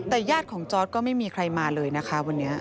แต่ญาติของจอร์ดก็ไม่มีใครมาเลยนะคะวันนี้